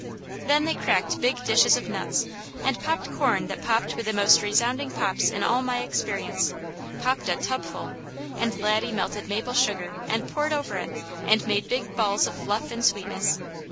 Then they cracked big dishes of nuts; and popped corn that popped with the most resounding pops in all my experience popped a tubful, and Laddie melted maple sugar and poured over it and made big balls of fluff and sweetness.